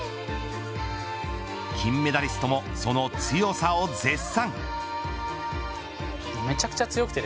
金メダリストもその強さを絶賛。